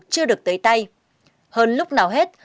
chưa được tới tay hơn lúc nào hết